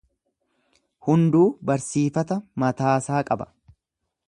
Hunduu barsiifat:a mataasaa qaba.